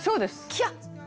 「キャッ！」